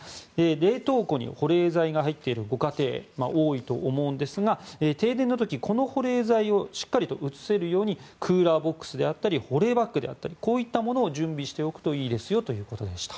冷凍庫に保冷剤が入っているご家庭は多いと思うんですが停電の時、この保冷剤をしっかり移せるようにクーラーボックスであったり保冷バッグであったりこういったものを準備しておくといいということでした。